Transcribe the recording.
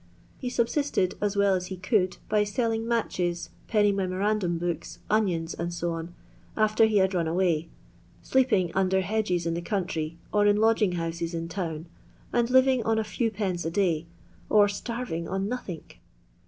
He subsisted as well as he could by selling matches, penny memorandum books, onions, &c., after he had run awa^, sleeping under hedges in the country, or in lodging houses in town, and living on a few pence a day, or ^^ starving on nothink."